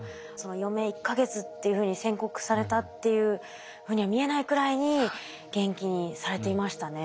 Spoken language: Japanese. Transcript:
余命１か月っていうふうに宣告されたっていうふうには見えないくらいに元気にされていましたね。